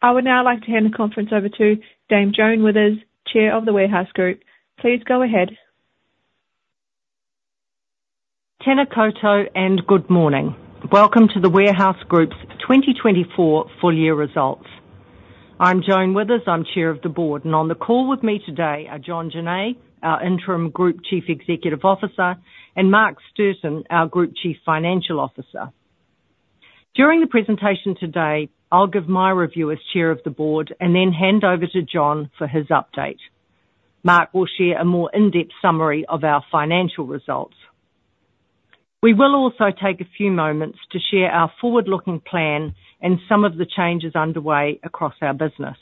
I would now like to hand the conference over to Dame Joan Withers, Chair of The Warehouse Group. Please go ahead. Tēnā koutou and good morning. Welcome to The Warehouse Group's twenty twenty-four full year results. I'm Joan Withers, I'm Chair of the Board, and on the call with me today are John Journee, our Interim Group Chief Executive Officer, and Mark Stirton, our Group Chief Financial Officer. During the presentation today, I'll give my review as Chair of the Board and then hand over to John for his update. Mark will share a more in-depth summary of our financial results. We will also take a few moments to share our forward-looking plan and some of the changes underway across our business.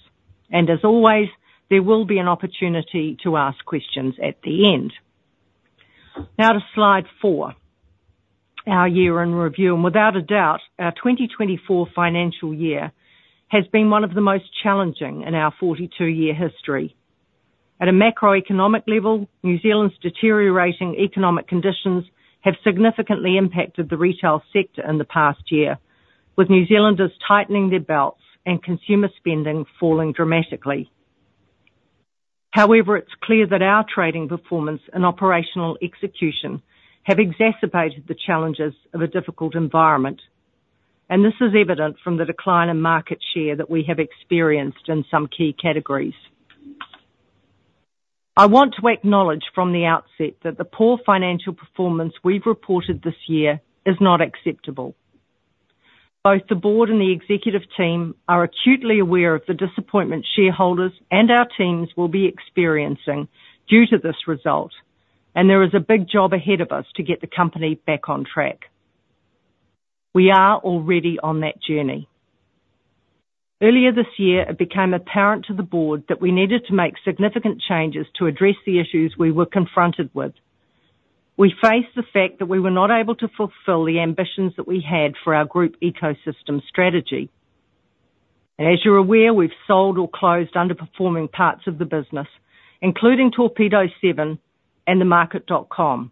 And as always, there will be an opportunity to ask questions at the end. Now to slide four, our year in review, and without a doubt, our 2024 financial year has been one of the most challenging in our 42-year history. At a macroeconomic level, New Zealand's deteriorating economic conditions have significantly impacted the retail sector in the past year, with New Zealanders tightening their belts and consumer spending falling dramatically. However, it's clear that our trading performance and operational execution have exacerbated the challenges of a difficult environment, and this is evident from the decline in market share that we have experienced in some key categories. I want to acknowledge from the outset that the poor financial performance we've reported this year is not acceptable. Both the board and the executive team are acutely aware of the disappointment shareholders and our teams will be experiencing due to this result, and there is a big job ahead of us to get the company back on track. We are already on that journey. Earlier this year, it became apparent to the board that we needed to make significant changes to address the issues we were confronted with. We faced the fact that we were not able to fulfill the ambitions that we had for our group ecosystem strategy, and as you're aware, we've sold or closed underperforming parts of the business, including Torpedo7 and TheMarket.com,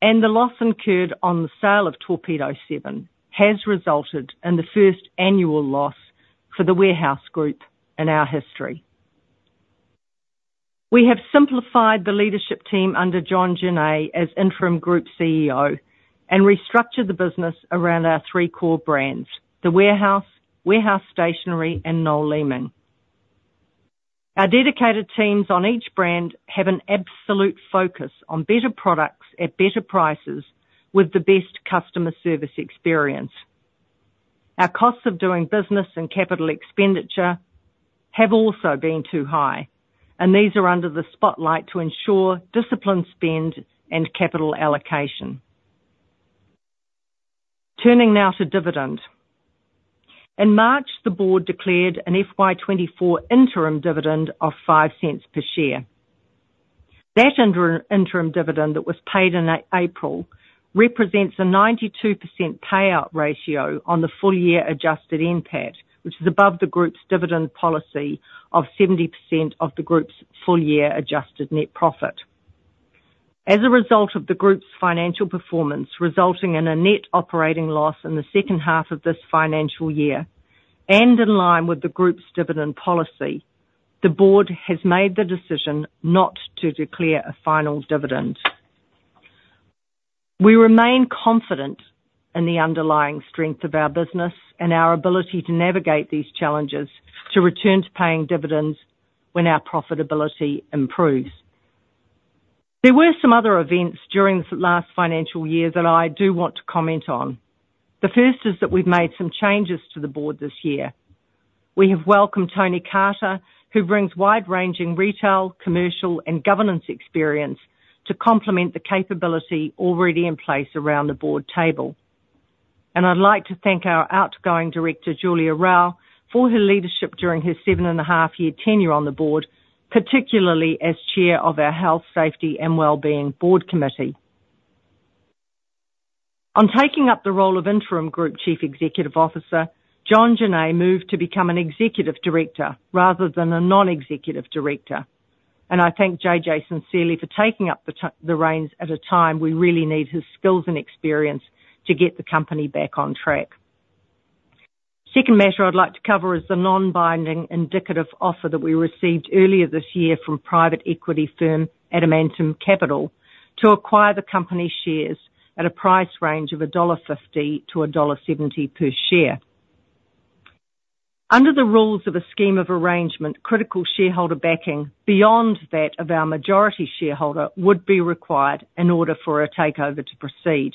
and the loss incurred on the sale of Torpedo7 has resulted in the first annual loss for The Warehouse Group in our history. We have simplified the leadership team under John Journee as Interim Group CEO and restructured the business around our three core brands, The Warehouse, Warehouse Stationery, and Noel Leeming. Our dedicated teams on each brand have an absolute focus on better products at better prices with the best customer service experience. Our costs of doing business and capital expenditure have also been too high, and these are under the spotlight to ensure disciplined spend and capital allocation. Turning now to dividend. In March, the board declared an FY 2024 interim dividend of 0.05 per share. That interim dividend that was paid in April represents a 92% payout ratio on the full year adjusted NPAT, which is above the group's dividend policy of 70% of the group's full year adjusted net profit. As a result of the group's financial performance, resulting in a net operating loss in the second half of this financial year, and in line with the group's dividend policy, the board has made the decision not to declare a final dividend. We remain confident in the underlying strength of our business and our ability to navigate these challenges to return to paying dividends when our profitability improves. There were some other events during this last financial year that I do want to comment on. The first is that we've made some changes to the board this year. We have welcomed Tony Carter, who brings wide-ranging retail, commercial, and governance experience to complement the capability already in place around the board table, and I'd like to thank our outgoing director, Julia Raue, for her leadership during her 7.5-year tenure on the board, particularly as chair of our Health, Safety, and Wellbeing Board Committee. On taking up the role of Interim Group Chief Executive Officer, John Journee moved to become an executive director rather than a non-executive director, and I thank JJ sincerely for taking up the reins at a time we really need his skills and experience to get the company back on track. Second matter I'd like to cover is the non-binding indicative offer that we received earlier this year from private equity firm Adamantem Capital to acquire the company's shares at a price range of 1.50-1.70 dollar per share. Under the rules of a scheme of arrangement, critical shareholder backing beyond that of our majority shareholder would be required in order for a takeover to proceed.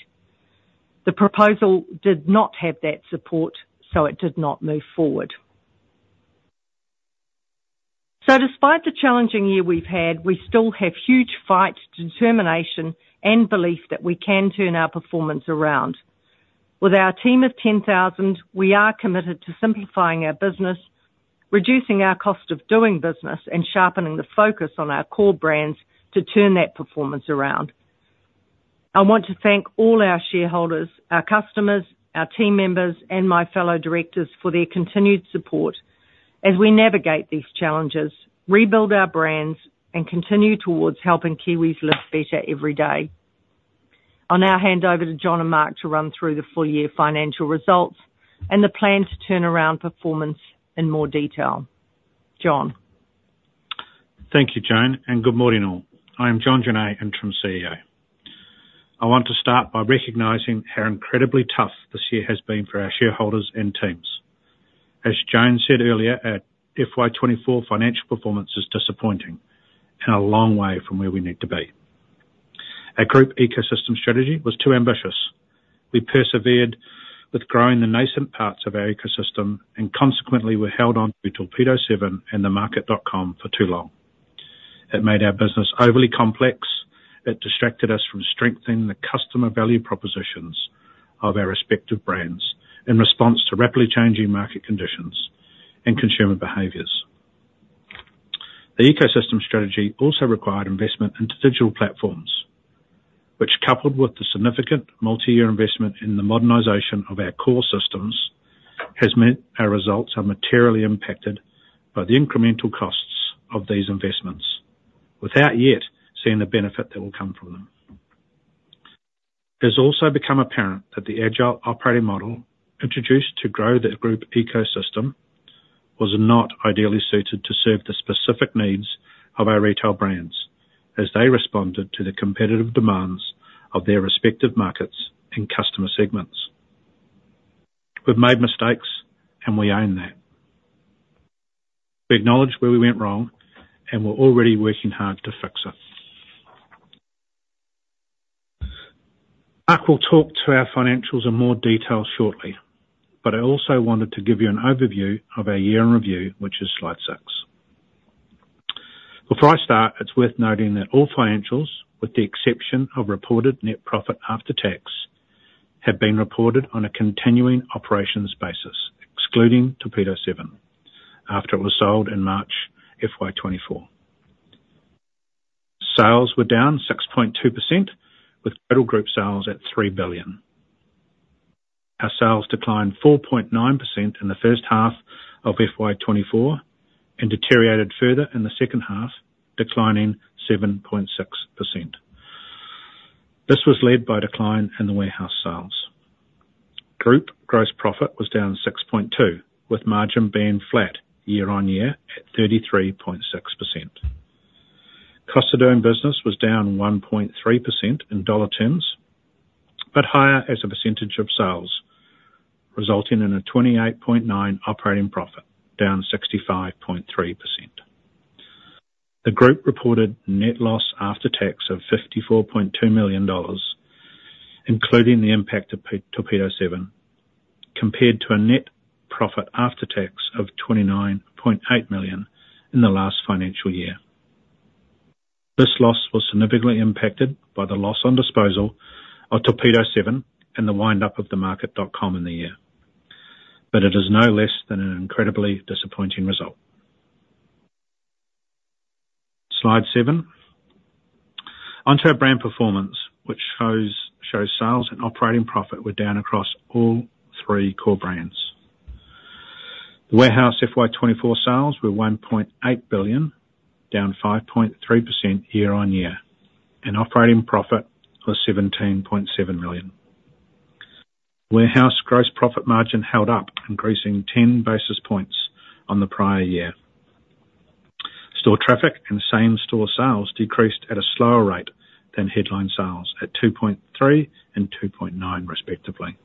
The proposal did not have that support, so it did not move forward. So despite the challenging year we've had, we still have huge fight, determination, and belief that we can turn our performance around. With our team of 10,000, we are committed to simplifying our business, reducing our cost of doing business, and sharpening the focus on our core brands to turn that performance around. I want to thank all our shareholders, our customers, our team members, and my fellow directors for their continued support as we navigate these challenges, rebuild our brands, and continue towards helping Kiwis live better every day. I'll now hand over to John and Mark to run through the full year financial results and the plan to turn around performance in more detail. John? Thank you, Joan, and good morning, all. I'm John Journee, Interim CEO. I want to start by recognizing how incredibly tough this year has been for our shareholders and teams. As Joan said earlier, our FY 2024 financial performance is disappointing and a long way from where we need to be. Our group ecosystem strategy was too ambitious. We persevered with growing the nascent parts of our ecosystem and consequently were held on to Torpedo7 and TheMarket.com for too long. It made our business overly complex. It distracted us from strengthening the customer value propositions of our respective brands in response to rapidly changing market conditions and consumer behaviors. The ecosystem strategy also required investment into digital platforms, which, coupled with the significant multi-year investment in the modernization of our core systems, has meant our results are materially impacted by the incremental costs of these investments, without yet seeing the benefit that will come from them. It has also become apparent that the agile operating model, introduced to grow the group ecosystem, was not ideally suited to serve the specific needs of our retail brands as they responded to the competitive demands of their respective markets and customer segments. We've made mistakes, and we own that. We acknowledge where we went wrong, and we're already working hard to fix it. Mark will talk to our financials in more detail shortly, but I also wanted to give you an overview of our year in review, which is slide six. Before I start, it's worth noting that all financials, with the exception of reported net profit after tax, have been reported on a continuing operations basis, excluding Torpedo7, after it was sold in March FY 2024. Sales were down 6.2%, with total group sales at 3 billion. Our sales declined 4.9% in the first half of FY 2024 and deteriorated further in the second half, declining 7.6%. This was led by decline in The Warehouse sales. Group gross profit was down 6.2%, with margin being flat year-on-year at 33.6%. Cost of doing business was down 1.3% in dollar terms, but higher as a percentage of sales, resulting in a 28.9% operating profit, down 65.3%. The group reported net loss after tax of 54.2 million dollars, including the impact of Torpedo7, compared to a net profit after tax of 29.8 million in the last financial year. This loss was significantly impacted by the loss on disposal of Torpedo7 and the wind up of TheMarket.com in the year, but it is no less than an incredibly disappointing result. Slide seven. Onto our brand performance, which shows sales and operating profit were down across all three core brands. The Warehouse FY 2024 sales were 1.8 billion, down 5.3% year-on-year, and operating profit was 17.7 million. Warehouse gross profit margin held up, increasing 10 basis points on the prior year. Store traffic and same store sales decreased at a slower rate than headline sales, at 2.3% and 2.9%, respectively.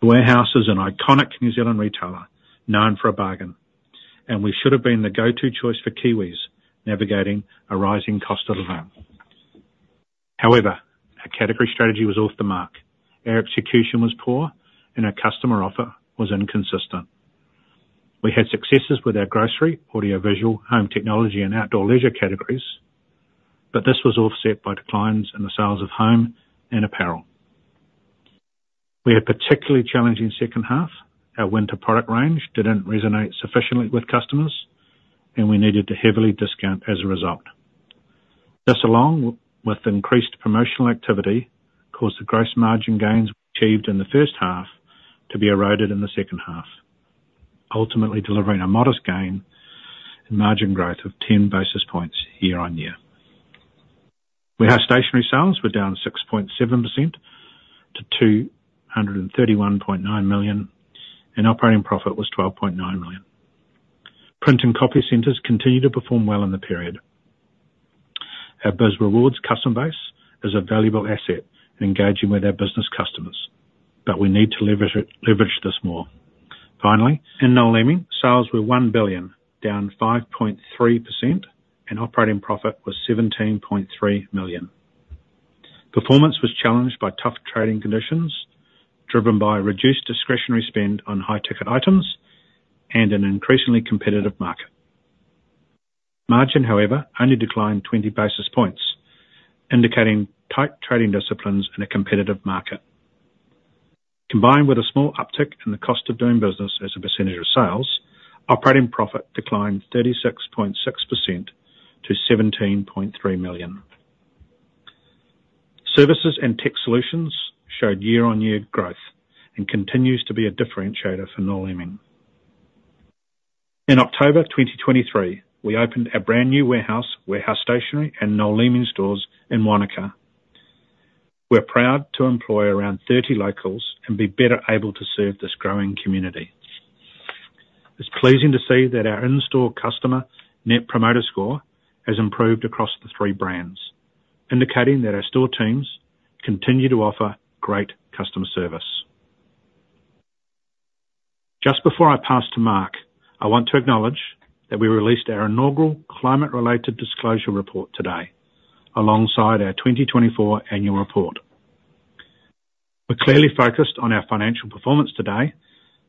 The Warehouse is an iconic New Zealand retailer, known for a bargain, and we should have been the go-to choice for Kiwis navigating a rising cost of living. However, our category strategy was off the mark, our execution was poor, and our customer offer was inconsistent. We had successes with our grocery, audiovisual, home technology, and outdoor leisure categories, but this was offset by declines in the sales of home and apparel. We had a particularly challenging second half. Our winter product range didn't resonate sufficiently with customers, and we needed to heavily discount as a result. This, along with increased promotional activity, caused the gross margin gains achieved in the first half to be eroded in the second half, ultimately delivering a modest gain in margin growth of 10 basis points year-on-year. Warehouse Stationery sales were down 6.7% to 231.9 million, and operating profit was 12.9 million. Print & Copy Centres continued to perform well in the period. Our BizRewards customer base is a valuable asset in engaging with our business customers, but we need to leverage this more. Finally, in Noel Leeming, sales were 1 billion, down 5.3%, and operating profit was 17.3 million. Performance was challenged by tough trading conditions, driven by reduced discretionary spend on high ticket items and an increasingly competitive market. Margin, however, only declined 20 basis points, indicating tight trading disciplines in a competitive market. Combined with a small uptick in the cost of doing business as a percentage of sales, operating profit declined 36.6% to 17.3 million. Services and Tech Solutions showed year-on-year growth and continues to be a differentiator for Noel Leeming. In October 2023, we opened our brand new Warehouse, Warehouse Stationery, and Noel Leeming stores in Wanaka. We're proud to employ around 30 locals and be better able to serve this growing community. It's pleasing to see that our in-store customer Net Promoter Score has improved across the three brands, indicating that our store teams continue to offer great customer service. Just before I pass to Mark, I want to acknowledge that we released our inaugural climate-related disclosure report today, alongside our 2024 annual report. We're clearly focused on our financial performance today,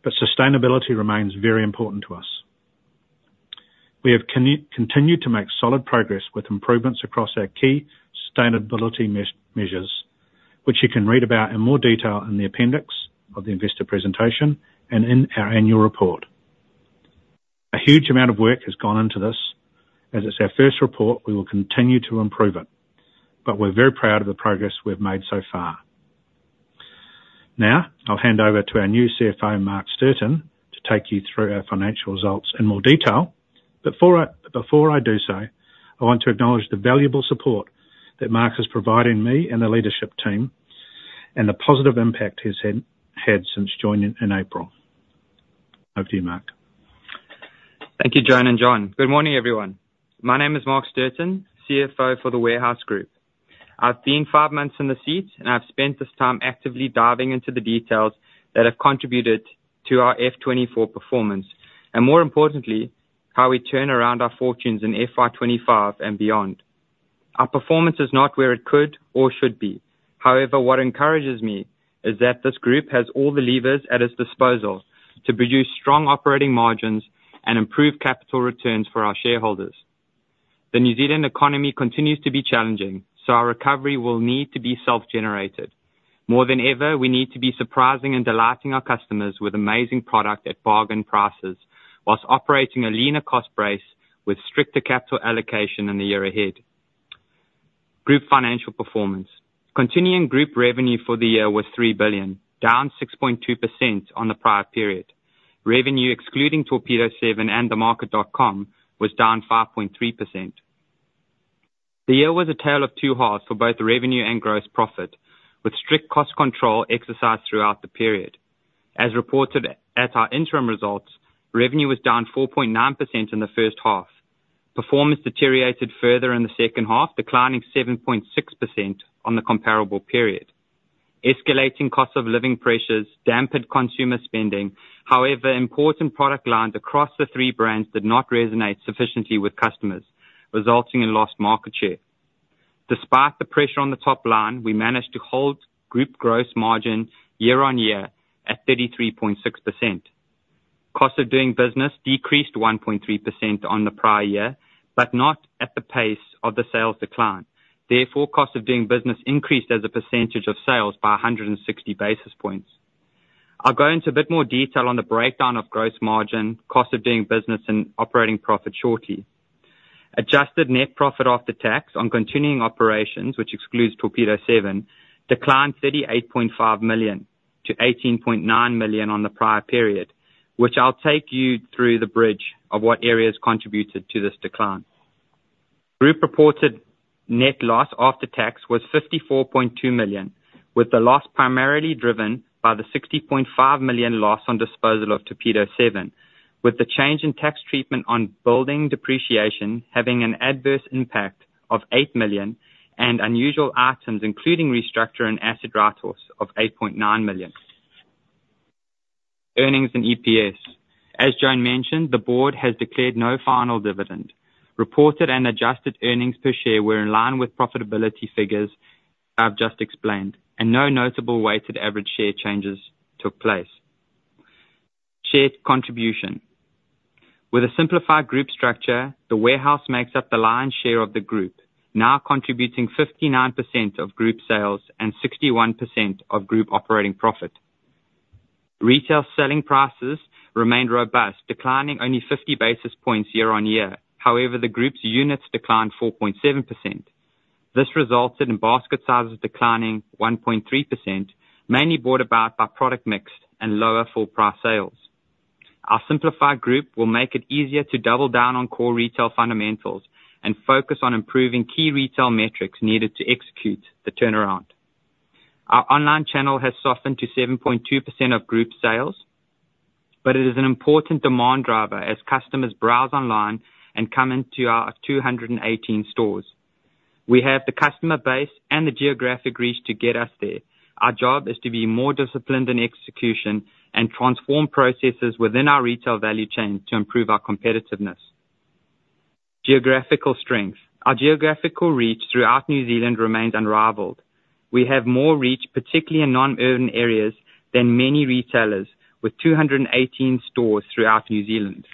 but sustainability remains very important to us. We have continued to make solid progress with improvements across our key sustainability measures, which you can read about in more detail in the appendix of the investor presentation and in our annual report. A huge amount of work has gone into this. As it's our first report, we will continue to improve it, but we're very proud of the progress we've made so far. Now, I'll hand over to our new CFO, Mark Stirton, to take you through our financial results in more detail. But before I do so, I want to acknowledge the valuable support that Mark has provided me and the leadership team, and the positive impact he's had since joining in April. Over to you, Mark. Thank you, Joan and John. Good morning, everyone. My name is Mark Stirton, CFO for The Warehouse Group. I've been five months in the seat, and I've spent this time actively diving into the details that have contributed to our FY 2024 performance, and more importantly, how we turn around our fortunes in FY 2025 and beyond. Our performance is not where it could or should be. However, what encourages me is that this group has all the levers at its disposal to produce strong operating margins and improve capital returns for our shareholders. The New Zealand economy continues to be challenging, so our recovery will need to be self-generated. More than ever, we need to be surprising and delighting our customers with amazing product at bargain prices, while operating a leaner cost base with stricter capital allocation in the year ahead. Group financial performance. Continuing group revenue for the year was 3 billion, down 6.2% on the prior period. Revenue excluding Torpedo7 and TheMarket.com was down 5.3%. The year was a tale of two halves for both revenue and gross profit, with strict cost control exercised throughout the period. As reported at our interim results, revenue was down 4.9% in the first half. Performance deteriorated further in the second half, declining 7.6% on the comparable period. Escalating costs of living pressures dampened consumer spending. However, important product lines across the three brands did not resonate sufficiently with customers, resulting in lost market share. Despite the pressure on the top line, we managed to hold group gross margin year-on-year at 33.6%. Cost of doing business decreased 1.3% on the prior year, but not at the pace of the sales decline. Therefore, cost of doing business increased as a percentage of sales by 160 basis points. I'll go into a bit more detail on the breakdown of gross margin, cost of doing business and operating profit shortly. Adjusted net profit after tax on continuing operations, which excludes Torpedo7, declined 38.5 million to 18.9 million on the prior period, which I'll take you through the bridge of what areas contributed to this decline. Group reported net loss after tax was 54.2 million, with the loss primarily driven by the 60.5 million loss on disposal of Torpedo7, with the change in tax treatment on building depreciation having an adverse impact of 8 million and unusual items, including restructure and asset write-offs of 8.9 million. Earnings and EPS. As Joan mentioned, the board has declared no final dividend. Reported and adjusted earnings per share were in line with profitability figures I've just explained, and no notable weighted average share changes took place. Shared contribution. With a simplified group structure, The Warehouse makes up the lion's share of the group, now contributing 59% of group sales and 61% of group operating profit. Retail selling prices remained robust, declining only 50 basis points year-on-year. However, the group's units declined 4.7%. This resulted in basket sizes declining 1.3%, mainly brought about by product mix and lower full price sales. Our simplified group will make it easier to double down on core retail fundamentals and focus on improving key retail metrics needed to execute the turnaround. Our online channel has softened to 7.2% of group sales, but it is an important demand driver as customers browse online and come into our 218 stores. We have the customer base and the geographic reach to get us there. Our job is to be more disciplined in execution and transform processes within our retail value chain to improve our competitiveness. Geographical strength. Our geographical reach throughout New Zealand remains unrivaled. We have more reach, particularly in non-urban areas, than many retailers, with 218 stores throughout New Zealand.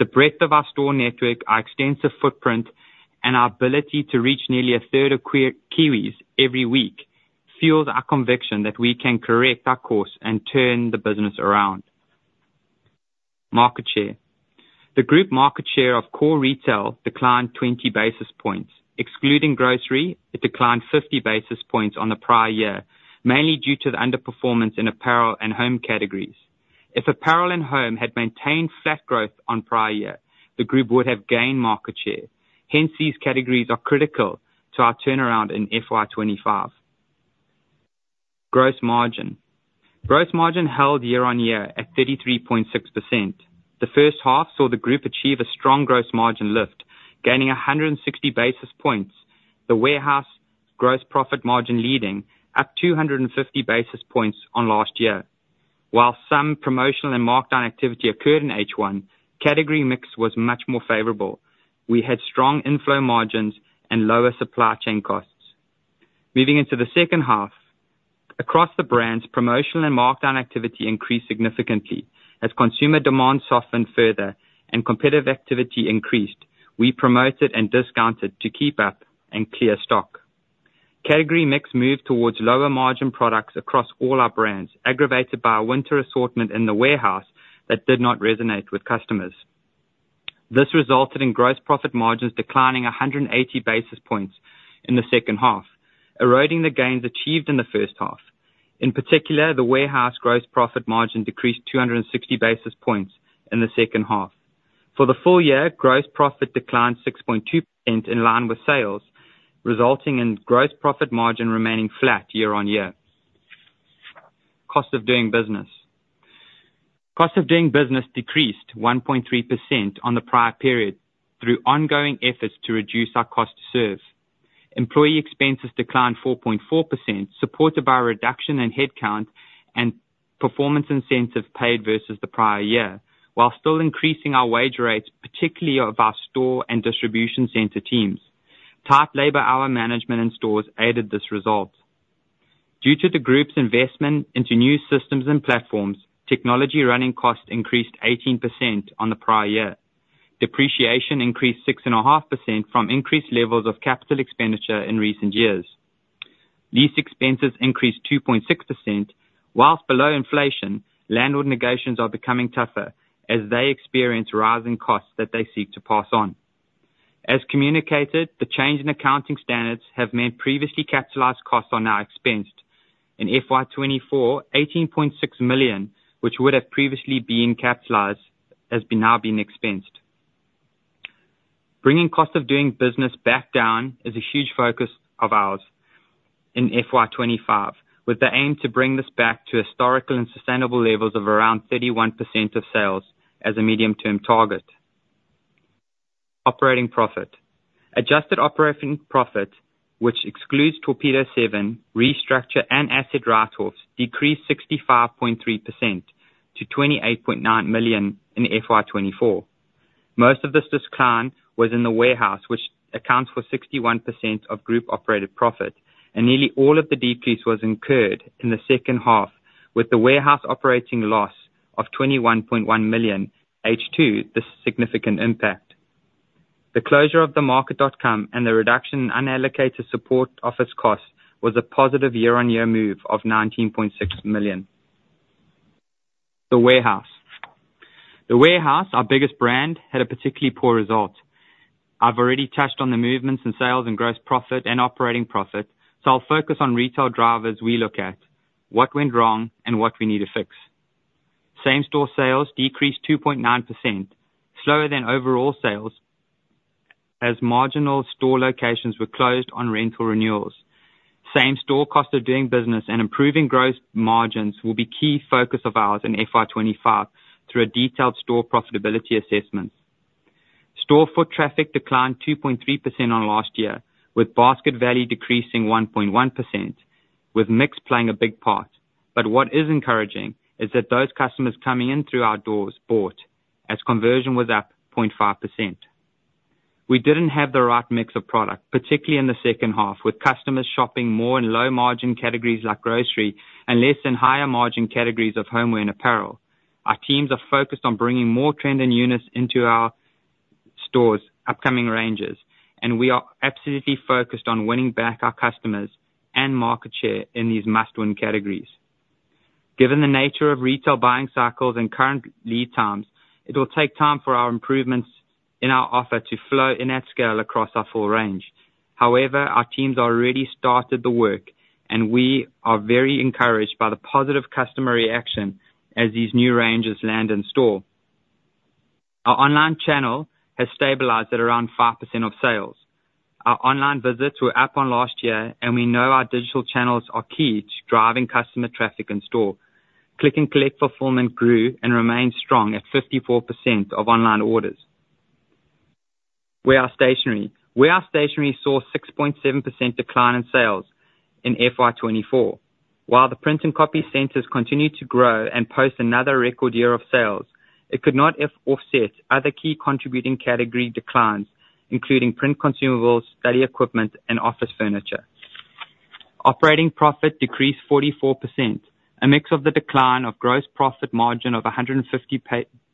The breadth of our store network, our extensive footprint, and our ability to reach nearly 1/3 of Kiwis every week fuels our conviction that we can correct our course and turn the business around. Market share. The group market share of core retail declined 20 basis points. Excluding grocery, it declined 50 basis points on the prior year, mainly due to the underperformance in apparel and home categories. If apparel and home had maintained flat growth on prior year, the group would have gained market share. Hence, these categories are critical to our turnaround in FY 2025. Gross margin. Gross margin held year-on-year at 33.6%. The first half saw the group achieve a strong gross margin lift, gaining 160 basis points, The Warehouse gross profit margin leading up 250 basis points on last year. While some promotional and markdown activity occurred in H1, category mix was much more favorable. We had strong inflow margins and lower supply chain costs. Moving into the second half, across the brands, promotional and markdown activity increased significantly as consumer demand softened further and competitive activity increased. We promoted and discounted to keep up and clear stock. Category mix moved towards lower margin products across all our brands, aggravated by a winter assortment in The Warehouse that did not resonate with customers. This resulted in gross profit margins declining 180 basis points in the second half, eroding the gains achieved in the first half. In particular, The Warehouse gross profit margin decreased 260 basis points in the second half. For the full year, gross profit declined 6.2%, in line with sales, resulting in gross profit margin remaining flat year-on-year. Cost of doing business. Cost of doing business decreased 1.3% on the prior period through ongoing efforts to reduce our cost to serve. Employee expenses declined 4.4%, supported by a reduction in headcount and performance incentive paid versus the prior year, while still increasing our wage rates, particularly of our store and distribution center teams. Tight labor hour management in stores aided this result. Due to the group's investment into new systems and platforms, technology running costs increased 18% on the prior year. Depreciation increased 6.5% from increased levels of capital expenditure in recent years. Lease expenses increased 2.6%. While below inflation, landlord negotiations are becoming tougher as they experience rising costs that they seek to pass on. As communicated, the change in accounting standards have meant previously capitalized costs are now expensed. In FY 2024, 18.6 million, which would have previously been capitalized, has now been expensed. Bringing cost of doing business back down is a huge focus of ours in FY 2025, with the aim to bring this back to historical and sustainable levels of around 31% of sales as a medium-term target. Operating profit. Adjusted operating profit, which excludes Torpedo7 restructure and asset write-offs, decreased 65.3% to 28.9 million in FY 2024. Most of this decline was in The Warehouse, which accounts for 61% of group operated profit, and nearly all of the decrease was incurred in the second half, with The Warehouse operating loss of 21.1 million H2. The significant impact. The closure of TheMarket.com and the reduction in unallocated support office costs was a positive year-on-year move of 19.6 million. The Warehouse. The Warehouse, our biggest brand, had a particularly poor result. I've already touched on the movements in sales and gross profit and operating profit, so I'll focus on retail drivers we look at, what went wrong and what we need to fix. Same-store sales decreased 2.9%, slower than overall sales, as marginal store locations were closed on rental renewals. Same-store cost of doing business and improving gross margins will be key focus of ours in FY 2025 through a detailed store profitability assessment. Store foot traffic declined 2.3% on last year, with basket value decreasing 1.1%, with mix playing a big part. But what is encouraging is that those customers coming in through our doors bought, as conversion was up 0.5%. We didn't have the right mix of product, particularly in the second half, with customers shopping more in low-margin categories like grocery and less in higher-margin categories of homeware and apparel. Our teams are focused on bringing more trend and units into our stores' upcoming ranges, and we are absolutely focused on winning back our customers and market share in these must-win categories. Given the nature of retail buying cycles and current lead times, it will take time for our improvements in our offer to flow in at scale across our full range. However, our teams already started the work, and we are very encouraged by the positive customer reaction as these new ranges land in store. Our online channel has stabilized at around 5% of sales. Our online visits were up on last year, and we know our digital channels are key to driving customer traffic in store. Click & Collect fulfillment grew and remains strong at 54% of online orders. Warehouse Stationery. Warehouse Stationery saw a 6.7% decline in sales in FY 2024. While the Print & Copy Centres continued to grow and post another record year of sales, it could not offset other key contributing category declines, including print consumables, study equipment, and office furniture. Operating profit decreased 44%, a mix of the decline of gross profit margin of 150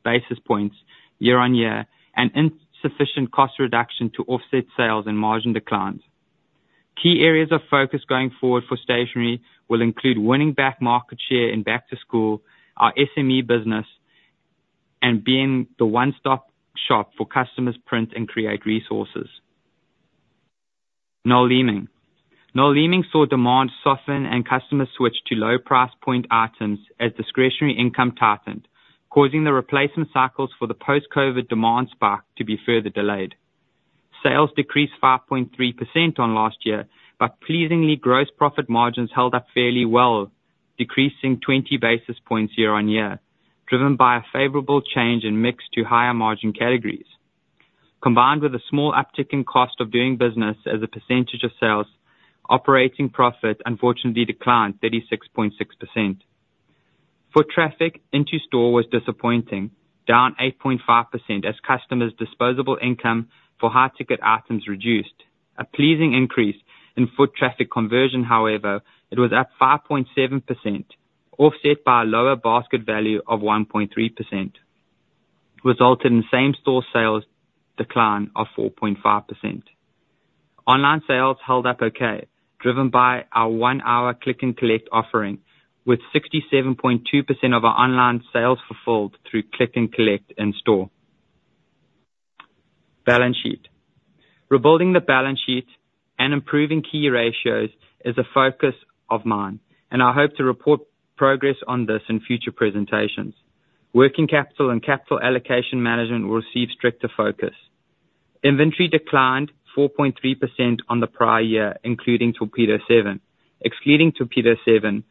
basis points year-on-year and insufficient cost reduction to offset sales and margin declines. Key areas of focus going forward for stationery will include winning back market share in back to school, our SME business, and being the one-stop shop for customers' print and create resources. Noel Leeming. Noel Leeming saw demand soften and customers switch to low price point items as discretionary income tightened, causing the replacement cycles for the post-COVID demand spark to be further delayed. Sales decreased 5.3% on last year, but pleasingly, gross profit margins held up fairly well, decreasing 20 basis points year-on-year, driven by a favorable change in mix to higher margin categories. Combined with a small uptick in cost of doing business as a percentage of sales, operating profit unfortunately declined 36.6%. Foot traffic into store was disappointing, down 8.5% as customers' disposable income for high-ticket items reduced. A pleasing increase in foot traffic conversion, however, it was up 5.7%, offset by a lower basket value of 1.3%, resulted in same-store sales decline of 4.5%. Online sales held up okay, driven by our one-hour Click & Collect offering, with 67.2% of our online sales fulfilled through Click & Collect in store. Balance sheet. Rebuilding the balance sheet and improving key ratios is a focus of mine, and I hope to report progress on this in future presentations. Working capital and capital allocation management will receive stricter focus. Inventory declined 4.3% on the prior year, including Torpedo7. Excluding Torpedo7,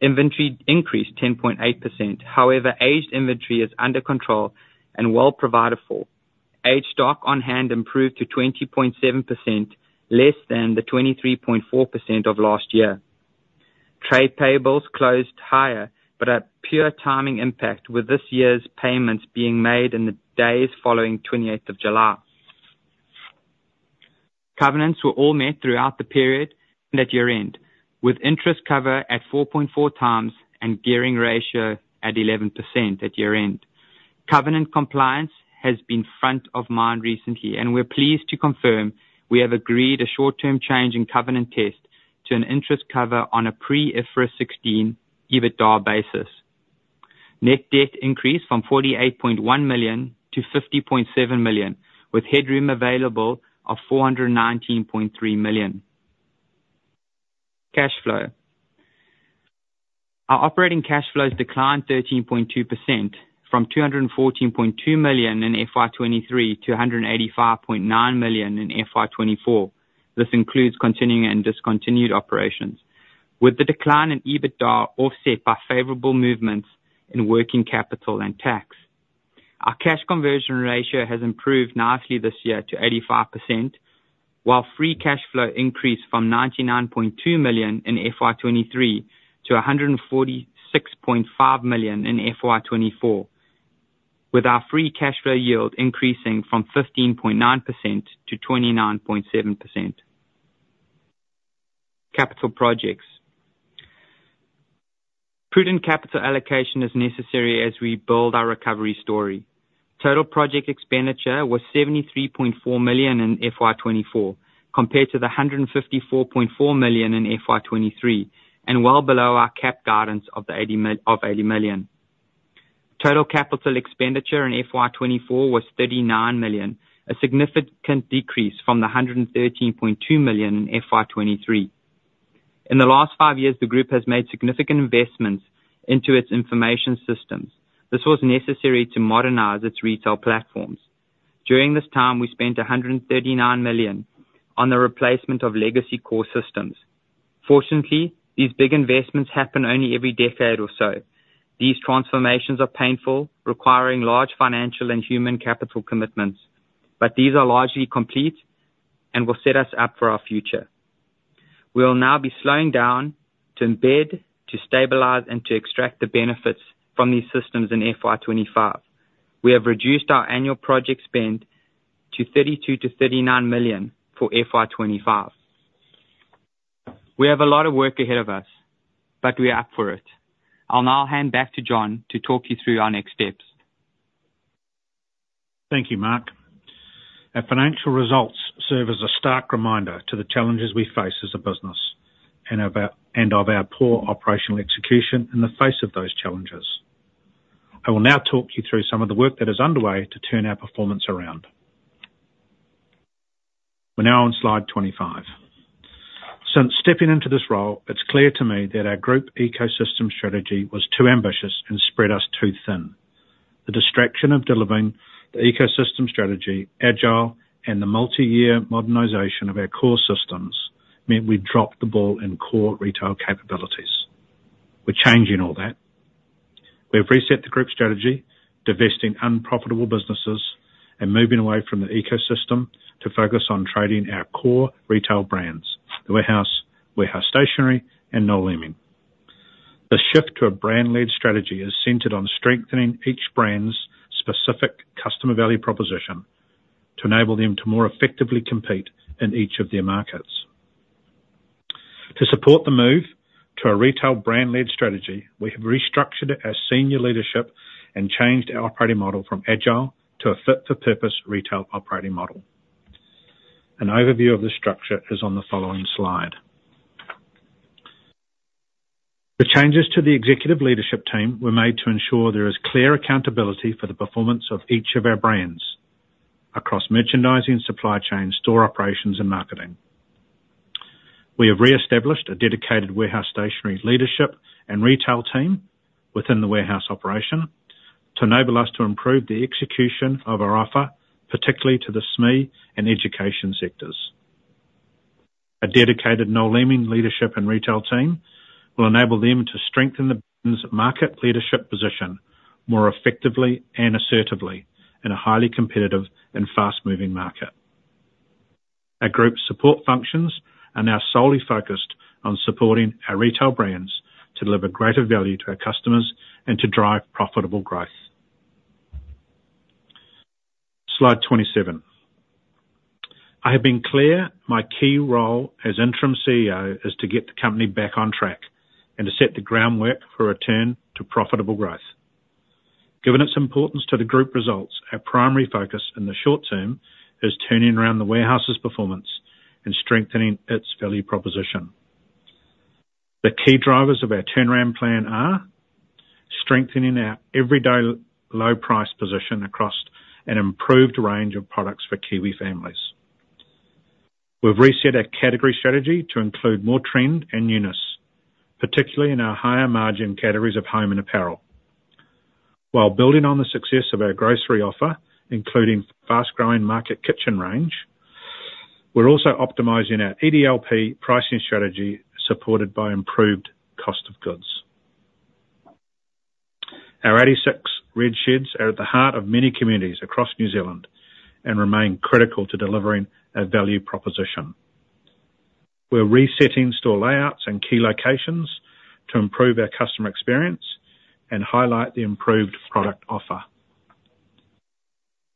inventory increased 10.8%. However, aged inventory is under control and well provided for. Aged stock on hand improved to 20.7%, less than the 23.4% of last year. Trade payables closed higher, but a pure timing impact, with this year's payments being made in the days following 28th of July. Covenants were all met throughout the period and at year-end, with interest cover at 4.4x and gearing ratio at 11% at year-end. Covenant compliance has been front of mind recently, and we're pleased to confirm we have agreed a short-term change in covenant test to an interest cover on a pre-IFRS 16 EBITDA basis. Net debt increased from 48.1 million to 50.7 million, with headroom available of 419.3 million. Cash flow. Our operating cash flows declined 13.2% from 214.2 million in FY 2023 to 185.9 million in FY 2024. This includes continuing and discontinued operations, with the decline in EBITDA offset by favorable movements in working capital and tax. Our cash conversion ratio has improved nicely this year to 85%, while free cash flow increased from 99.2 million in FY 2023 to 146.5 million in FY 2024, with our free cash flow yield increasing from 15.9% to 29.7%. Capital projects. Prudent capital allocation is necessary as we build our recovery story. Total project expenditure was NZD 73.4 million in FY 2024, compared to the NZD 154.4 million in FY 2023, and well below our cap guidance of the NZD 80 million. Total capital expenditure in FY 2024 was NZD 39 million, a significant decrease from the NZD 113.2 million in FY 2023. In the last five years, the group has made significant investments into its information systems. This was necessary to modernize its retail platforms. During this time, we spent 139 million on the replacement of legacy core systems. Fortunately, these big investments happen only every decade or so. These transformations are painful, requiring large financial and human capital commitments, but these are largely complete and will set us up for our future. We will now be slowing down to embed, to stabilize, and to extract the benefits from these systems in FY 2025. We have reduced our annual project spend to 32 million-39 million for FY 2025. We have a lot of work ahead of us, but we are up for it. I'll now hand back to John to talk you through our next steps. Thank you, Mark. Our financial results serve as a stark reminder to the challenges we face as a business and of our poor operational execution in the face of those challenges. I will now talk you through some of the work that is underway to turn our performance around. We're now on slide 25. Since stepping into this role, it's clear to me that our group ecosystem strategy was too ambitious and spread us too thin. The distraction of delivering the ecosystem strategy, agile, and the multi-year modernization of our core systems meant we dropped the ball in core retail capabilities. We're changing all that. We have reset the group strategy, divesting unprofitable businesses, and moving away from the ecosystem to focus on trading our core retail brands, The Warehouse, Warehouse Stationery, and Noel Leeming. The shift to a brand-led strategy is centered on strengthening each brand's specific customer value proposition to enable them to more effectively compete in each of their markets. To support the move to a retail brand-led strategy, we have restructured our senior leadership and changed our operating model from agile to a fit-for-purpose retail operating model. An overview of the structure is on the following slide. The changes to the executive leadership team were made to ensure there is clear accountability for the performance of each of our brands across merchandising, supply chain, store operations, and marketing. We have reestablished a dedicated Warehouse Stationery leadership and retail team within The Warehouse operation to enable us to improve the execution of our offer, particularly to the SME and education sectors. A dedicated Noel Leeming leadership and retail team will enable them to strengthen the brand's market leadership position more effectively and assertively in a highly competitive and fast-moving market. Our group support functions are now solely focused on supporting our retail brands to deliver greater value to our customers and to drive profitable growth. Slide 27. I have been clear my key role as Interim CEO is to get the company back on track and to set the groundwork for a return to profitable growth. Given its importance to the group results, our primary focus in the short term is turning around The Warehouse's performance and strengthening its value proposition. The key drivers of our turn-around plan are strengthening our everyday low price position across an improved range of products for Kiwi families. We've reset our category strategy to include more trend and newness, particularly in our higher-margin categories of home and apparel. While building on the success of our grocery offer, including fast-growing Market Kitchen range, we're also optimizing our EDLP pricing strategy, supported by improved cost of goods. Our 86 Red Sheds are at the heart of many communities across New Zealand and remain critical to delivering our value proposition. We're resetting store layouts and key locations to improve our customer experience and highlight the improved product offer.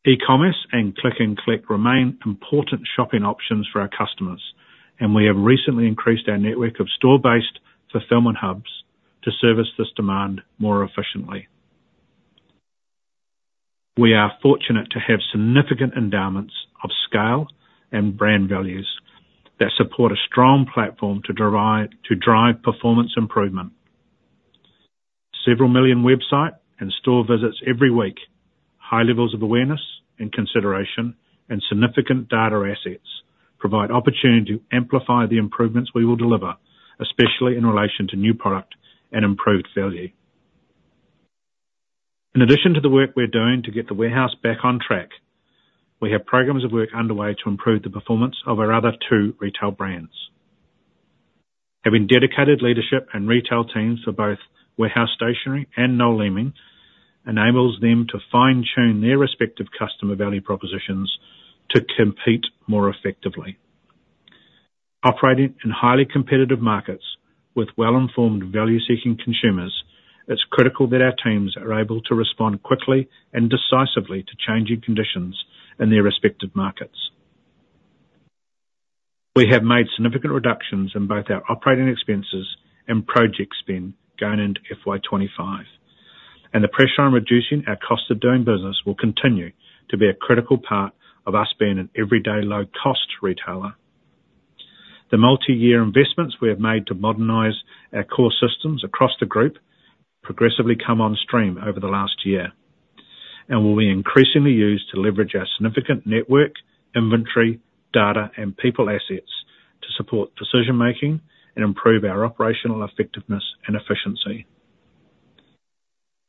E-commerce and Click & Collect remain important shopping options for our customers, and we have recently increased our network of store-based fulfillment hubs to service this demand more efficiently. We are fortunate to have significant endowments of scale and brand values that support a strong platform to derive, to drive performance improvement. Several million website and store visits every week, high levels of awareness and consideration, and significant data assets provide opportunity to amplify the improvements we will deliver, especially in relation to new product and improved value. In addition to the work we're doing to get The Warehouse back on track, we have programs of work underway to improve the performance of our other two retail brands. Having dedicated leadership and retail teams for both Warehouse Stationery and Noel Leeming enables them to fine-tune their respective customer value propositions to compete more effectively. Operating in highly competitive markets with well-informed, value-seeking consumers, it's critical that our teams are able to respond quickly and decisively to changing conditions in their respective markets. We have made significant reductions in both our operating expenses and project spend going into FY 2025, and the pressure on reducing our cost of doing business will continue to be a critical part of us being an everyday low-cost retailer. The multi-year investments we have made to modernize our core systems across the group progressively come on stream over the last year and will be increasingly used to leverage our significant network, inventory, data, and people assets to support decision-making and improve our operational effectiveness and efficiency.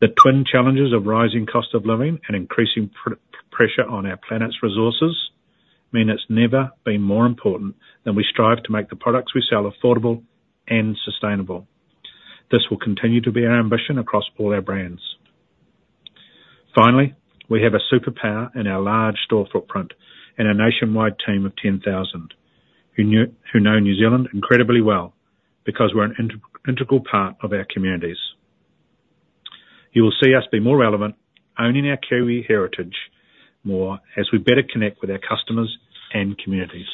The twin challenges of rising cost of living and increasing pressure on our planet's resources mean it's never been more important than we strive to make the products we sell affordable and sustainable. This will continue to be our ambition across all our brands. Finally, we have a superpower in our large store footprint and a nationwide team of 10,000 who know New Zealand incredibly well because we're an integral part of our communities. You will see us be more relevant, owning our Kiwi heritage more as we better connect with our customers and communities.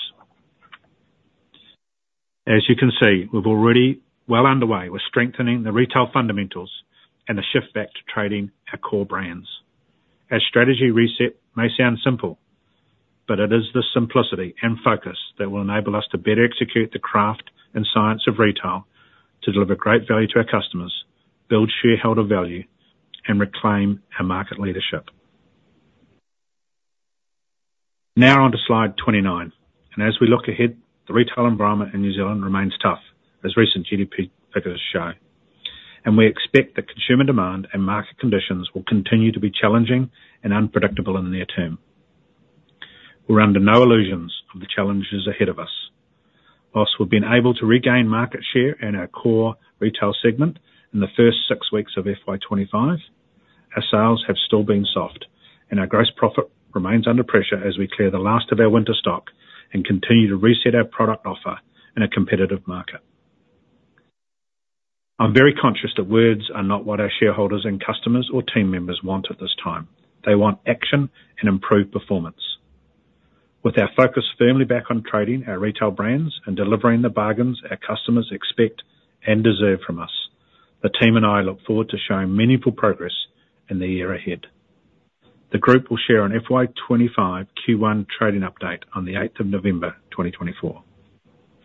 As you can see, we're already well underway with strengthening the retail fundamentals and the shift back to trading our core brands. Our strategy reset may sound simple, but it is the simplicity and focus that will enable us to better execute the craft and science of retail to deliver great value to our customers, build shareholder value, and reclaim our market leadership. Now on to slide 29. And as we look ahead, the retail environment in New Zealand remains tough, as recent GDP figures show, and we expect that consumer demand and market conditions will continue to be challenging and unpredictable in the near term. We're under no illusions of the challenges ahead of us. While we've been able to regain market share in our core retail segment in the first six weeks of FY 2025, our sales have still been soft, and our gross profit remains under pressure as we clear the last of our winter stock and continue to reset our product offer in a competitive market. I'm very conscious that words are not what our shareholders and customers or team members want at this time. They want action and improved performance. With our focus firmly back on trading our retail brands and delivering the bargains our customers expect and deserve from us, the team and I look forward to showing meaningful progress in the year ahead. The group will share an FY 2025 Q1 trading update on the 8th of November, 2024.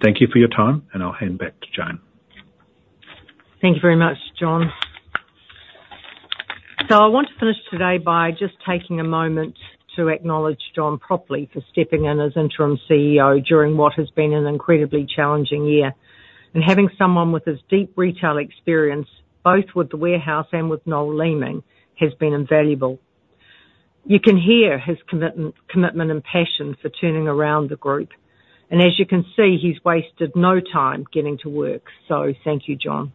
Thank you for your time, and I'll hand back to Joan. Thank you very much, John. So I want to finish today by just taking a moment to acknowledge John properly for stepping in as Interim CEO during what has been an incredibly challenging year, and having someone with his deep retail experience, both with The Warehouse and with Noel Leeming, has been invaluable. You can hear his commitment and passion for turning around the group, and as you can see, he's wasted no time getting to work. So thank you, John.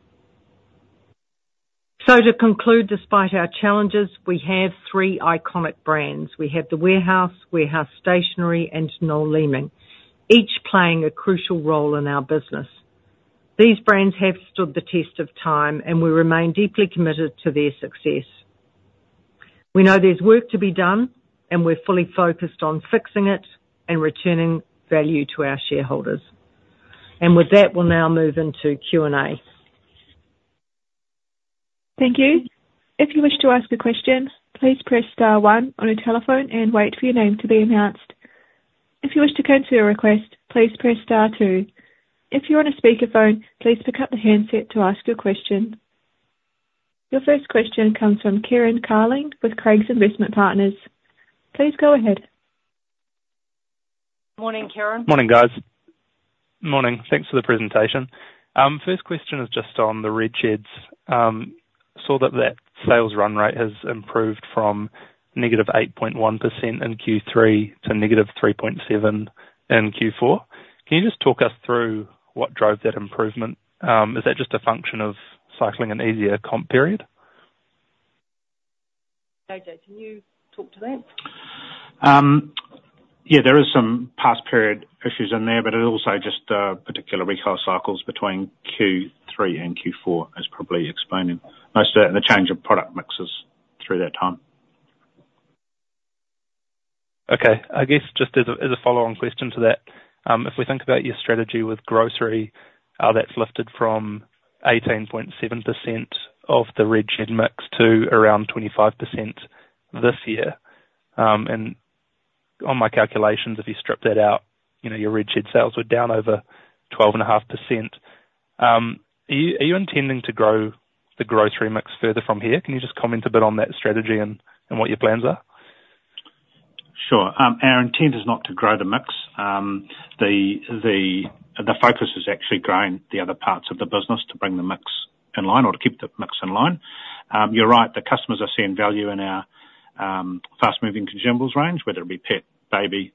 So to conclude, despite our challenges, we have three iconic brands. We have The Warehouse, Warehouse Stationery, and Noel Leeming, each playing a crucial role in our business. These brands have stood the test of time, and we remain deeply committed to their success. We know there's work to be done, and we're fully focused on fixing it and returning value to our shareholders. With that, we'll now move into Q&A. Thank you. If you wish to ask a question, please press star one on your telephone and wait for your name to be announced. If you wish to cancel your request, please press star two. If you're on a speakerphone, please pick up the handset to ask your question. Your first question comes from Kieran Carling with Craigs Investment Partners. Please go ahead. Morning, Kieran. Morning, guys. Morning. Thanks for the presentation. First question is just on the Red Sheds. Saw that that sales run rate has improved from -8.1% in Q3 to -3.7% in Q4. Can you just talk us through what drove that improvement? Is that just a function of cycling an easier comp period? JJ, can you talk to that? Yeah, there is some past period issues in there, but it is also just particular recall cycles between Q3 and Q4 is probably explaining most of it, and the change of product mixes through that time. Okay. I guess just as a follow-on question to that, if we think about your strategy with grocery, that's lifted from 18.7% of the Red Shed mix to around 25% this year. And on my calculations, if you strip that out, you know, your Red Shed sales were down over 12.5%. Are you intending to grow the grocery mix further from here? Can you just comment a bit on that strategy and what your plans are? Sure. Our intent is not to grow the mix. The focus is actually growing the other parts of the business to bring the mix in line or to keep the mix in line. You're right, the customers are seeing value in our fast-moving consumables range, whether it be pet, baby,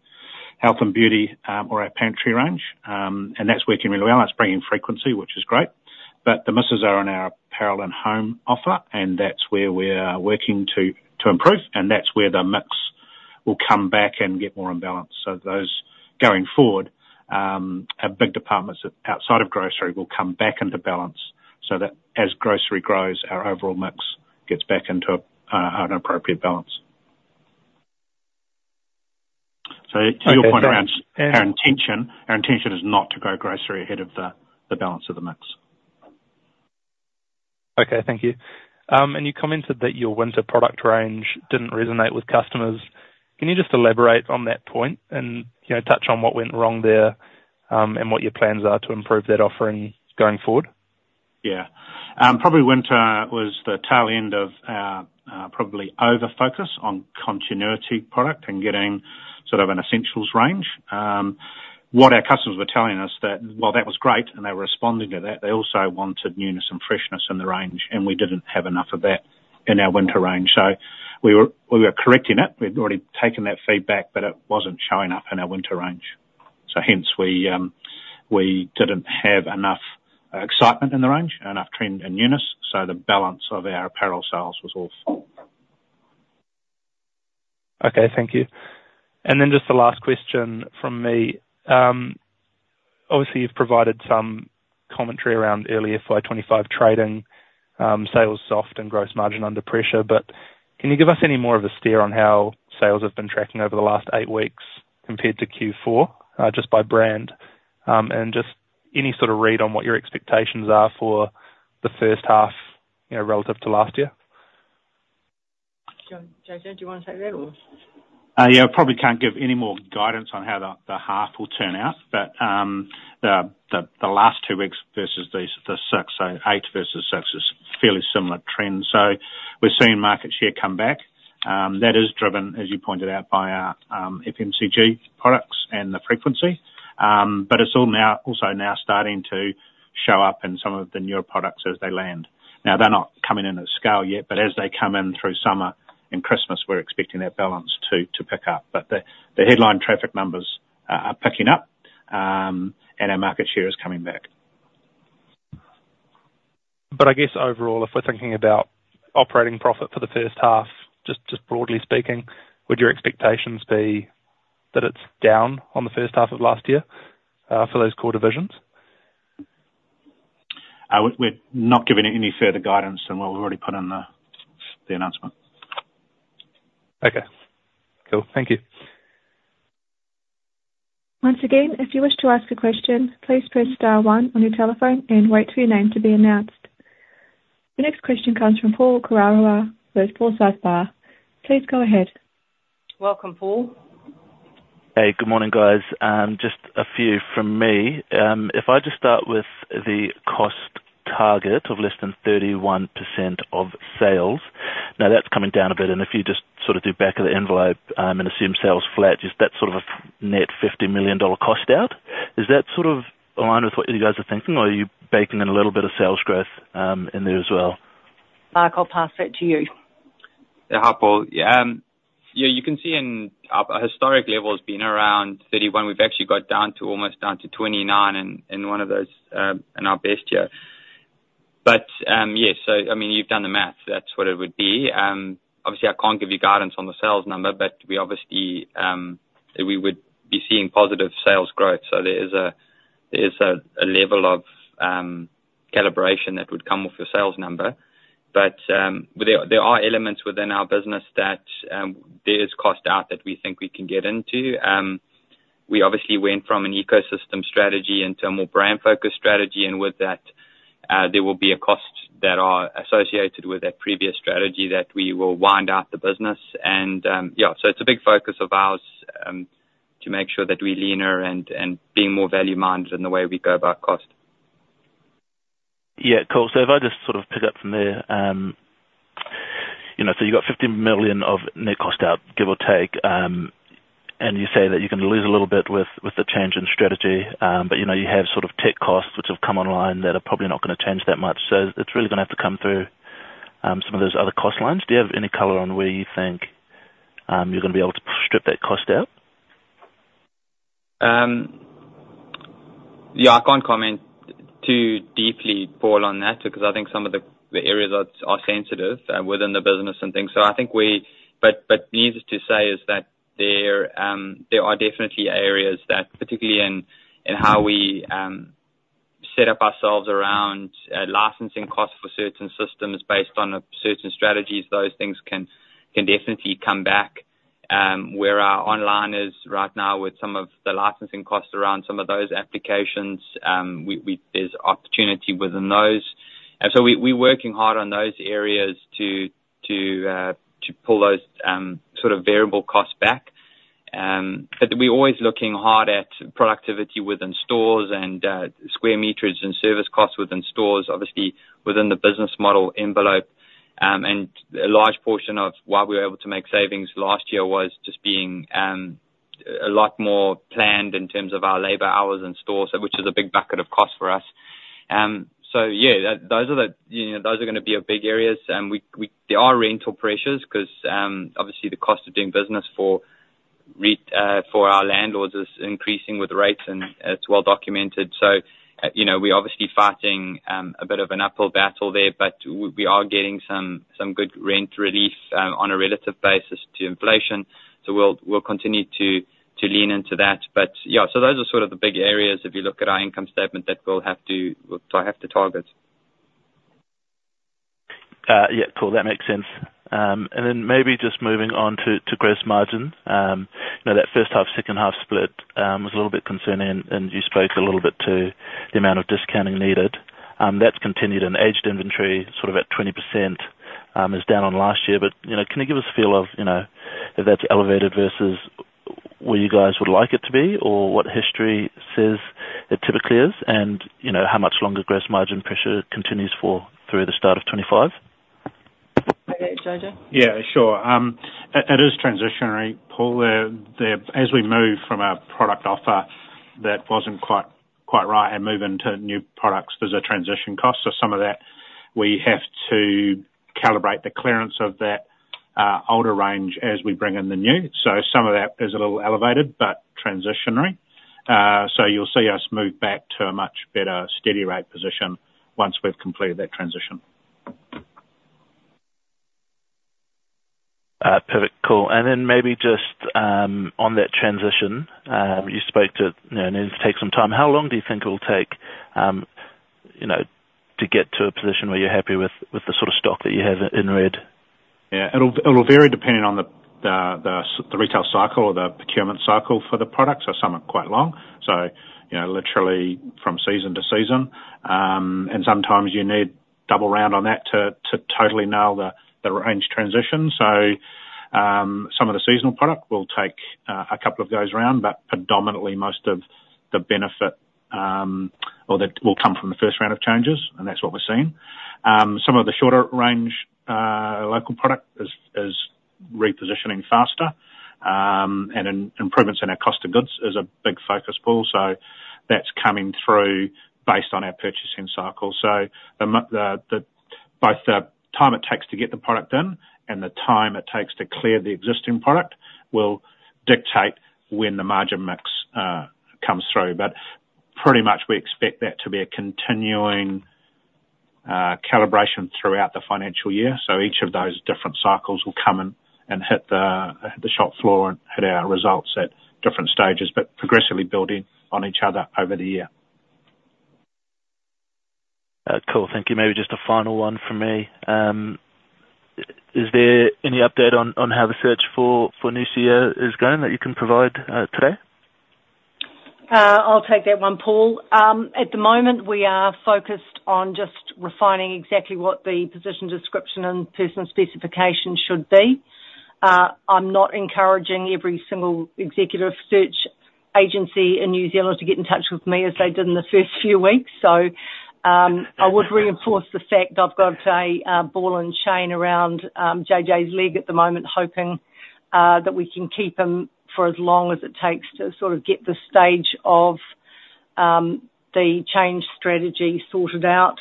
health and beauty or our pantry range. And that's working really well. That's bringing frequency, which is great. But the misses are in our apparel and home offer, and that's where we're working to improve, and that's where the mix will come back and get more in balance. So those going forward, our big departments outside of grocery will come back into balance, so that as grocery grows, our overall mix gets back into an appropriate balance. So to your point around- Okay. Our intention is not to grow grocery ahead of the balance of the mix. Okay, thank you, and you commented that your winter product range didn't resonate with customers. Can you just elaborate on that point and, you know, touch on what went wrong there, and what your plans are to improve that offering going forward? Yeah. Probably winter was the tail end of our probably over-focus on continuity product and getting sort of an essentials range. What our customers were telling us that while that was great and they were responding to that, they also wanted newness and freshness in the range, and we didn't have enough of that in our winter range. So we were correcting it. We'd already taken that feedback, but it wasn't showing up in our winter range. So hence we didn't have enough excitement in the range, enough trend and newness, so the balance of our apparel sales was off. Okay, thank you, and then just the last question from me. Obviously, you've provided some commentary around early FY 2025 trading, sales soft and gross margin under pressure, but can you give us any more of a steer on how sales have been tracking over the last eight weeks compared to Q4, just by brand? And just any sort of read on what your expectations are for the first half, you know, relative to last year? John, JJ, do you want to take that or...? Yeah, I probably can't give any more guidance on how the half will turn out, but the last two weeks versus the six, so eight versus six is fairly similar trends. So we're seeing market share come back. That is driven, as you pointed out, by our FMCG products and the frequency. But it's all now also now starting to show up in some of the newer products as they land. Now, they're not coming in at scale yet, but as they come in through summer and Christmas, we're expecting that balance to pick up. But the headline traffic numbers are picking up, and our market share is coming back. But I guess overall, if we're thinking about operating profit for the first half, just broadly speaking, would your expectations be that it's down on the first half of last year, for those core divisions? We're not giving any further guidance than what we've already put in the announcement. Okay. Cool. Thank you. Once again, if you wish to ask a question, please press star one on your telephone and wait for your name to be announced. The next question comes from Paul Koraua with Forsyth Barr. Please go ahead. Welcome, Paul. Hey, good morning, guys. Just a few from me. If I just start with the cost target of less than 31% of sales. Now, that's coming down a bit, and if you just sort of do back of the envelope, and assume sales flat, is that sort of a net 50 million dollar cost out? Is that sort of in line with what you guys are thinking, or are you baking in a little bit of sales growth, in there as well? Mark, I'll pass that to you. Yeah, hi, Paul. Yeah, you can see in our historic levels being around 31%, we've actually got down to almost 29% in one of those in our best year. But, yes, so I mean, you've done the math. That's what it would be. Obviously I can't give you guidance on the sales number, but we obviously would be seeing positive sales growth. So there is a level of calibration that would come with the sales number. But, there are elements within our business that there is cost out that we think we can get into. We obviously went from an ecosystem strategy into a more brand-focused strategy, and with that, there will be a cost that are associated with that previous strategy that we will wind out the business. It's a big focus of ours to make sure that we're leaner and being more value-minded in the way we go about cost. Yeah, cool. So if I just sort of pick up from there, you know, so you got 50 million of net cost out, give or take, and you say that you're gonna lose a little bit with the change in strategy. But, you know, you have sort of tech costs, which have come online, that are probably not gonna change that much. So it's really gonna have to come through some of those other cost lines. Do you have any color on where you think you're gonna be able to strip that cost out? Yeah, I can't comment too deeply, Paul, on that, because I think some of the areas are sensitive within the business and things. But needless to say, there are definitely areas that, particularly in how we set up ourselves around licensing costs for certain systems based on certain strategies, those things can definitely come back. Where our online is right now with some of the licensing costs around some of those applications, there's opportunity within those. And so we're working hard on those areas to pull those sort of variable costs back. But we're always looking hard at productivity within stores and square meters and service costs within stores, obviously within the business model envelope. And a large portion of why we were able to make savings last year was just being a lot more planned in terms of our labor hours in stores, which is a big bucket of cost for us. So yeah, that, those are the, you know, those are gonna be our big areas. We there are rental pressures, 'cause obviously the cost of doing business for our landlords is increasing with rates, and it's well documented. So you know, we're obviously fighting a bit of an uphill battle there, but we are getting some good rent relief on a relative basis to inflation. So we'll continue to lean into that. But yeah, so those are sort of the big areas, if you look at our income statement, that we'll have to, I have to target. Yeah, cool. That makes sense. And then maybe just moving on to gross margin. You know, that first half, second half split was a little bit concerning, and you spoke a little bit to the amount of discounting needed. That's continued in aged inventory, sort of at 20%, is down on last year. But you know, can you give us a feel of, you know, if that's elevated versus where you guys would like it to be, or what history says it typically is? And you know, how much longer gross margin pressure continues for through the start of 2025? Okay, JJ. Yeah, sure. It is transitionary, Paul. As we move from a product offer that wasn't quite right and move into new products, there's a transition cost. So some of that, we have to calibrate the clearance of that older range as we bring in the new. So some of that is a little elevated, but transitionary. So you'll see us move back to a much better steady rate position once we've completed that transition. Perfect. Cool. And then maybe just on that transition, you spoke to, you know, it needs to take some time. How long do you think it'll take, you know, to get to a position where you're happy with the sort of stock that you have in Red? Yeah. It'll vary depending on the retail cycle or the procurement cycle for the products. So some are quite long, so you know, literally from season to season. And sometimes you need double round on that to totally nail the range transition. So some of the seasonal product will take a couple of goes around, but predominantly most of the benefit or that will come from the first round of changes, and that's what we're seeing. Some of the shorter range local product is repositioning faster, and improvements in our cost of goods is a big focus, Paul, so that's coming through based on our purchasing cycle. So both the time it takes to get the product in and the time it takes to clear the existing product will dictate when the margin mix comes through. But pretty much we expect that to be a continuing calibration throughout the financial year, so each of those different cycles will come and hit the shop floor and hit our results at different stages, but progressively building on each other over the year. Cool. Thank you. Maybe just a final one from me. Is there any update on how the search for new CEO is going that you can provide today? I'll take that one, Paul. At the moment, we are focused on just refining exactly what the position description and person specification should be. I'm not encouraging every single executive search agency in New Zealand to get in touch with me as they did in the first few weeks. So, I would reinforce the fact I've got a ball and chain around JJ's leg at the moment, hoping that we can keep him for as long as it takes to sort of get this stage of the change strategy sorted out.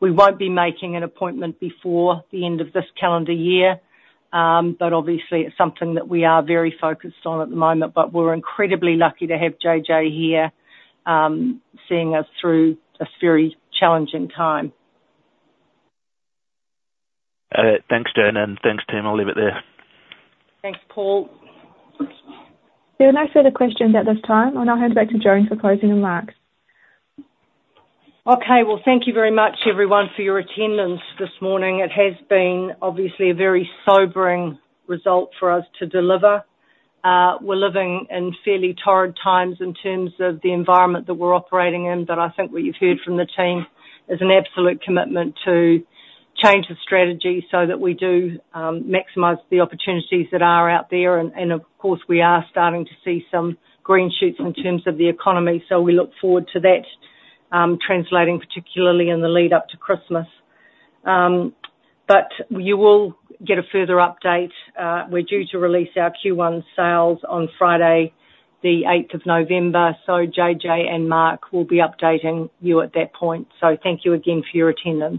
We won't be making an appointment before the end of this calendar year, but obviously it's something that we are very focused on at the moment. But we're incredibly lucky to have JJ here, seeing us through this very challenging time. Thanks, Joan, and thanks, team. I'll leave it there. Thanks, Paul. There are no further questions at this time. I'll now hand back to Joan for closing remarks. Okay. Well, thank you very much, everyone, for your attendance this morning. It has been obviously a very sobering result for us to deliver. We're living in fairly torrid times in terms of the environment that we're operating in, but I think what you've heard from the team is an absolute commitment to change the strategy so that we do maximize the opportunities that are out there. And of course, we are starting to see some green shoots in terms of the economy, so we look forward to that translating, particularly in the lead up to Christmas. But you will get a further update. We're due to release our Q1 sales on Friday, the 8th of November, so JJ and Mark will be updating you at that point. So thank you again for your attendance.